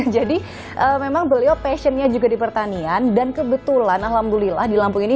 jadi memang beliau passionnya juga di pertanian dan kebetulan alhamdulillah di lampung ini